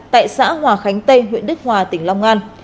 tại xã hòa khánh tây huyện đức hòa tỉnh long an